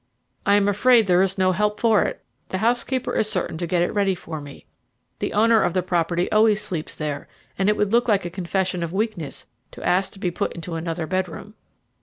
"I am afraid there is no help for it; the housekeeper is certain to get it ready for me. The owner of the property always sleeps there, and it would look like a confession of weakness to ask to be put into another bedroom."